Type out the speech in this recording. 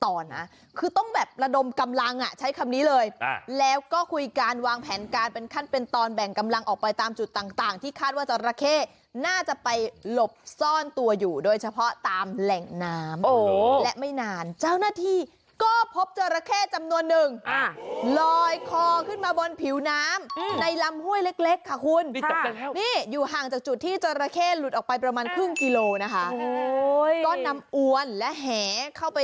เป็นตอนนะคือต้องแบบระดมกำลังใช้คำนี้เลยแล้วก็คุยการวางแผนการเป็นขั้นเป็นตอนแบ่งกำลังออกไปตามจุดต่างต่างที่คาดว่าเจ้าระเข้น่าจะไปหลบซ่อนตัวอยู่โดยเฉพาะตามแหล่งน้ำโอ้โหและไม่นานเจ้าหน้าที่ก็พบเจ้าระเข้จำนวนหนึ่งอ่าลอยคอขึ้นมาบนผิวน้ำอืมในลำห้วยเล็ก